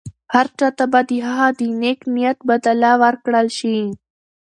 هر چا ته به د هغه د نېک نیت بدله ورکړل شي.